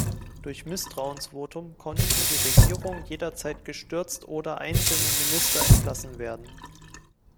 Durch Misstrauensvotum konnten die Regierung jederzeit gestürzt oder einzelne Minister entlassen werden.